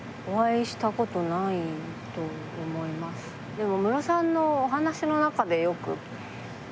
でも。